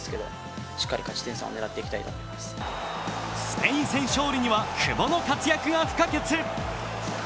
スペイン戦勝利には久保の活躍が不可欠。